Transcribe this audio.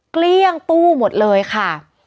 เกลี้ยงตู้หมดเลยค่ะ